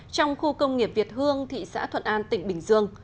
trong khu công nghiệp việt hương thị xã thuận an tỉnh bình dương